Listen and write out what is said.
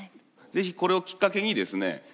是非これをきっかけにですね